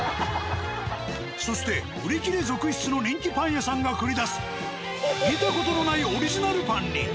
そして売り切れ続出の人気パン屋さんが繰り出す見た事のないオリジナルパンに。